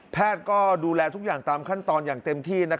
แพทย์ก็ดูแลทุกอย่างตามขั้นตอนอย่างเต็มที่